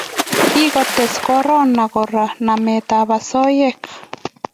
Kikotes korona Kora nametab osoya